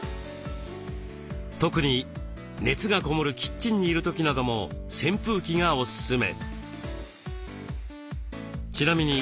特に熱がこもるキッチンにいる時なども扇風機がおすすめ。